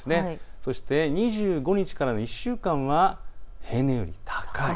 そして２５日からの１週間は平年より高い。